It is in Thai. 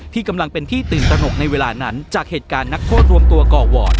ที่กำลังเป็นที่ตื่นตนกในเวลานั้นจากเหตุการณ์นักโทษรวมตัวก่อวอร์ด